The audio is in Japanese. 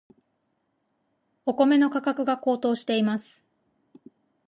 お米の価格が高騰しています。